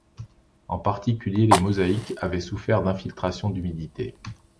En particulier les mosaïques avaient souffert d'infiltrations d'humidité.